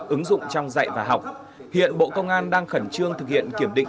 ứng dụng trong dạy và học hiện bộ công an đang khẩn trương thực hiện kiểm định